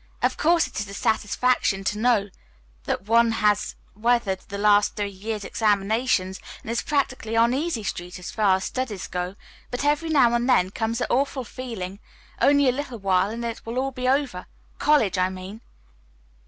"Of course, it is a satisfaction to know that one has weathered the last three years' examinations and is practically on Easy Street as far as studies go, but every now and then comes the awful feeling, 'only a little while and it will all be over' college, I mean."